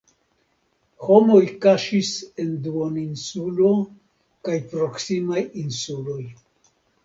Homoj kaŝis en duoninsulo kaj proksimaj insuloj.